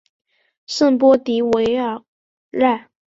圣波迪韦尔奈。